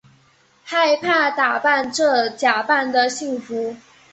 害怕打破这假扮的幸福